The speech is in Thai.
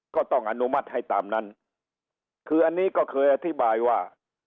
ก็ต้องอนุมัติให้ตามนั้นคืออันนี้ก็เคยอธิบายว่า